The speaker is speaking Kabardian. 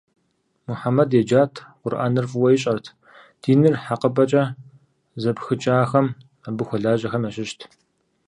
Мухьэмэд еджат, Къурӏэнр фӏыуэ ищӏэрт, диныр хьэкъыпӏэкӏэ зыпхыкӏахэм, абы хуэлажьэхэм ящыщт.